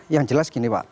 yang jelas gini pak